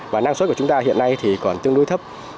và năng suất của chúng ta hiện nay thì còn tương đối thấp